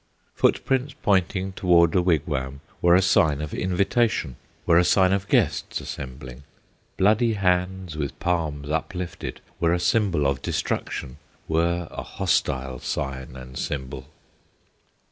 Footprints pointing towards a wigwam Were a sign of invitation, Were a sign of guests assembling; Bloody hands with palms uplifted Were a symbol of destruction, Were a hostile sign and symbol.